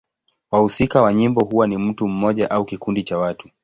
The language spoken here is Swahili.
Wahusika wa nyimbo huwa ni mtu mmoja au kikundi cha watu.